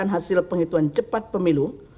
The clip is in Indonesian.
hasil penghitungan cepat pemilu